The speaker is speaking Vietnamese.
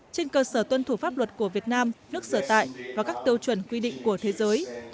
trên cơ sở tuân thủ pháp luật của việt nam nước sở tại và các tiêu chuẩn quy định của thế giới